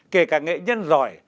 kể cả nghệ nhân giỏi